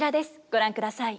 ご覧ください。